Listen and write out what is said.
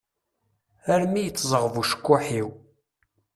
Armi yettzeɣɣeb ucekkuḥ-iw.